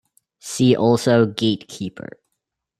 See also gatekeeper.